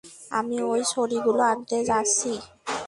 আমি ঐ ছড়িগুলো আনতে যাচ্ছি।